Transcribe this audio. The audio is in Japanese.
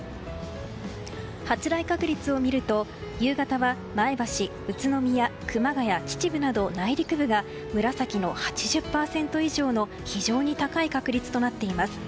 発雷確率を見ると夕方は前橋、宇都宮、熊谷秩父など内陸部が紫の８０％以上の非常に高い確率となっています。